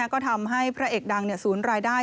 ก็ทำให้พระเอกดังศูนย์รายได้